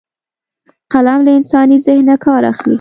قلم له انساني ذهنه کار اخلي